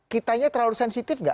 kitanya terlalu sensitif nggak